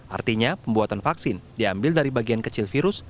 artinya pembuatan vaksin diambil dari bagian kecil virus